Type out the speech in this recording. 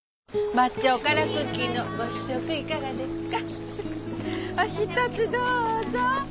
抹茶おからクッキーのご試食いかがですか？